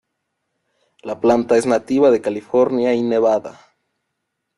La planta es nativa de California y Nevada.